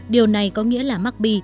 điều này có nghĩa là mockb